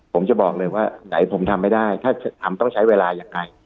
ผมจะบอกเลยว่าไหนผมทำไม่ได้ถ้าทำต้องใช้เวลายังไง